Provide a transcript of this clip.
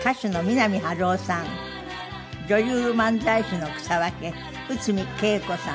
女流漫才師の草分け内海桂子さん。